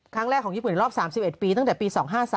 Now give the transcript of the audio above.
ครั้งแรกของญี่ปุ่นในรอบ๓๑ปีตั้งแต่ปี๒๕๓